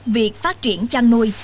việc phát triển trang nuôi